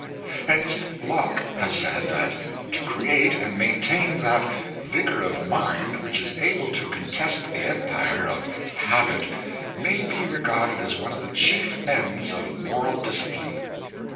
Hence Locke has said that to create and maintain that vigor of mind which is able to contest the empire of habit may be re garded as one of the chief ends of moral discipline.